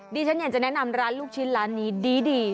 ดิฉันอยากจะแนะนำร้านลูกชิ้นร้านนี้ดี